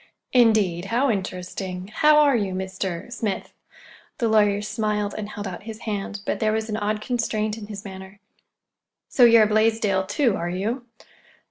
"Indeed! How interesting! How are you, Mr.—Smith?" The lawyer smiled and held out his hand, but there was an odd constraint in his manner. "So you're a Blaisdell, too, are you?"